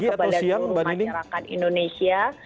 jadi pagi atau siang mbak nining